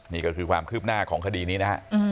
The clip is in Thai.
นี่ก็คือความคืบหน้าของคดีนี้นะฮะ